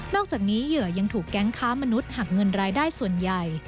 อกจากนี้เหยื่อยังถูกแก๊งค้ามนุษย์หักเงินรายได้ส่วนใหญ่